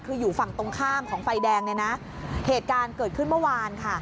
คืออยู่ฝั่งตรงข้ามของไฟแดงเนี่ยนะเหตุการณ์เกิดขึ้นเมื่อวานค่ะ